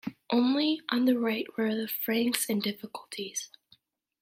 Only on the right were the Franks in difficulties.